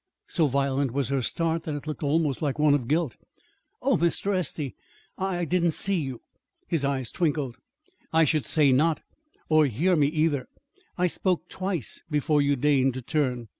So violent was her start that it looked almost like one of guilt. "Oh, Mr. Estey! I I didn't see you." His eyes twinkled. "I should say not or hear me, either. I spoke twice before you deigned to turn.